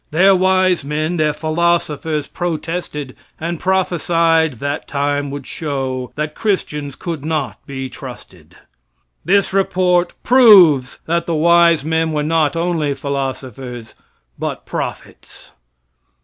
Their wise men, their philosophers protested, and prophesied that time would show that Christians could not be trusted. This report proves that the wise men were not only philosophers, but prophets.